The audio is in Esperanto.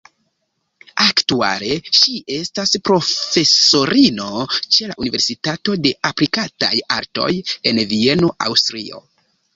Aktuale ŝi estas profesorino ĉe la Universitato de aplikataj artoj en Vieno, Aŭstrio.